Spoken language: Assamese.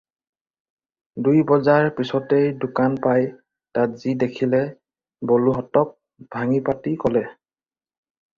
দুই বজাৰ পিচতেই দোকান পাই তাত যি দেখিলে বলোহঁতক ভাঙি পাতি ক'লে।